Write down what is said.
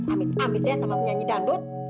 amit amit ya sama penyanyi dangdut